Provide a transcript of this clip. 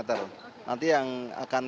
oke yang ada ini yang terbakar dua x dua